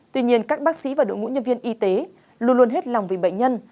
tuy nhiên các bác sĩ và đội ngũ nhân viên y tế luôn luôn hết lòng vì bệnh nhân